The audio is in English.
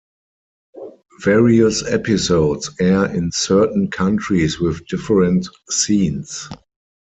Various episodes air in certain countries with different scenes.